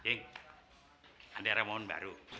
ying ada remon baru